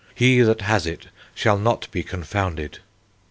He that has it shall not be confounded."